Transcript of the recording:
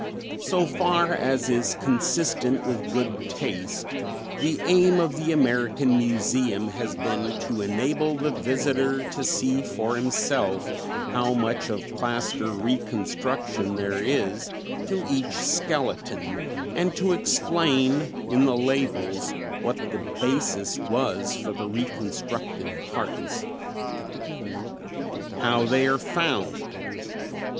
So far as is consistent with good taste, the aim of the American Museum has been to enable the visitor to see for himself how much of plaster reconstruction there is to each skeleton, and to explain in the labels what the basis was for the reconstructed parts. _How They are Found.